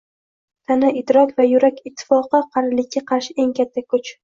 Tana, idrok va yurak ittifoqi qarilikka qarshi eng katta kuch.